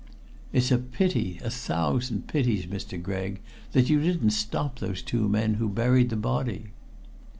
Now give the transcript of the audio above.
"It's a pity a thousand pities, Mr. Gregg, that you didn't stop those two men who buried the body."